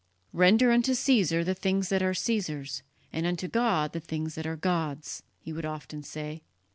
"Render unto Caesar the things that are Caesar's, and unto God the things that are God's," he would often say.